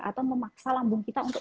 atau memaksa lambung kita untuk